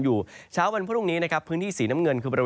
ก็จะมีการแผ่ลงมาแตะบ้างนะครับ